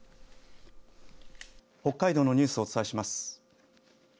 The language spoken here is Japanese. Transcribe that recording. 北海道のニュースをお伝えします。